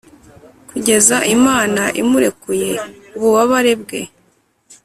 kugeza imana imurekuye ububabare bwe;